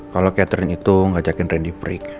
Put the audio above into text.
kalau catherine itu ngajakin randy break